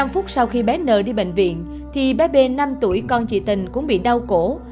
năm phút sau khi bé n t tr đi bệnh viện thì bé b n t tr con chị tình cũng bị đau cổ